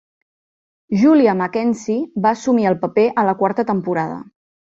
Julia McKenzie va assumir el paper a la quarta temporada.